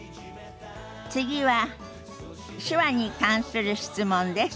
次は手話に関する質問です。